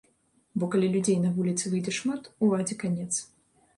Бо калі людзей на вуліцы выйдзе шмат, уладзе канец.